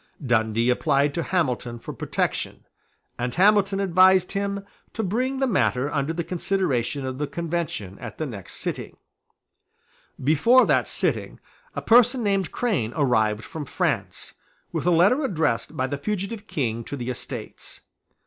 Dundee applied to Hamilton for protection, and Hamilton advised him to bring the matter under the consideration of the Convention at the next sitting, Before that sitting, a person named Crane arrived from France, with a letter addressed by the fugitive King to the Estates.